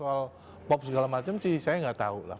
soal pop segala macam sih saya nggak tahu lah